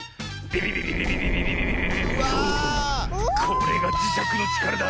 これがじしゃくのちからだ。